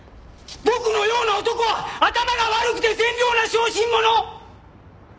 僕のような男は頭が悪くて善良な小心者！